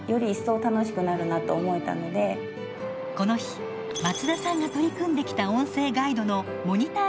この日松田さんが取り組んできた音声ガイドのモニター